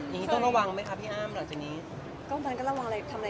ตีสงครามธึงตื่นแล้วทิศกัน